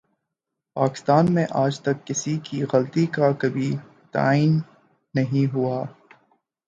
پاکستان میں آج تک کسی کی غلطی کا کبھی تعین نہیں ہوا